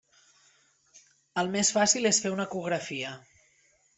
El més fàcil és fer una ecografia.